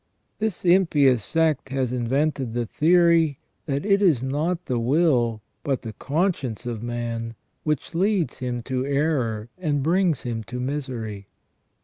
This impious sect has invented the theory that it is not the will but the conscience of man which leads him to error and brings him to misery.